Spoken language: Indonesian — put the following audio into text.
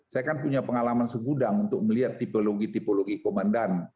saya kan punya pengalaman segudang untuk melihat tipologi tipologi komandan